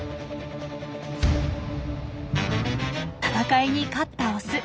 戦いに勝ったオス。